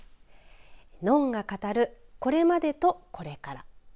のんが語るこれまでとこれから。